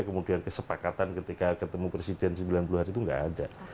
kemudian kesepakatan ketika ketemu presiden sembilan puluh hari itu nggak ada